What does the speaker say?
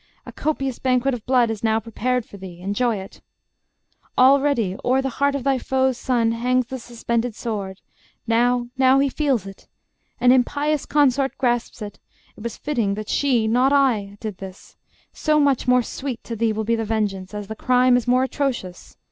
A copious banquet Of blood is now prepared for thee, enjoy it; Already o'er the heart of thy foe's son Hangs the suspended sword; now, now, he feels it: An impious consort grasps it; it was fitting That she, not I, did this: so much more sweet To thee will be the vengeance, as the crime Is more atrocious....